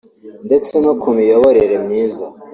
ndetse no ku miyoborere myiza